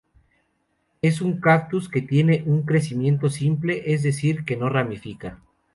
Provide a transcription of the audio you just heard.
Es un cactus que tiene un crecimiento simple, es decir, que no se ramifica.